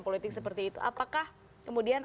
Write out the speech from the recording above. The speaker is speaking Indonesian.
politik seperti itu apakah kemudian